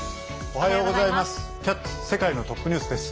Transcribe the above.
おはようございます。